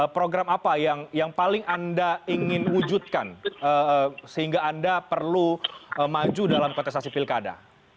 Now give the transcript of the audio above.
program apa yang paling anda ingin wujudkan sehingga anda perlu maju dalam kontestasi pilkada